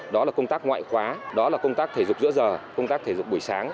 đó là công tác ngoại khóa đó là công tác thể dục giữa giờ công tác thể dục buổi sáng